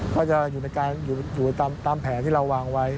ก็จะอยู่ตามแผนที่เราวางไว้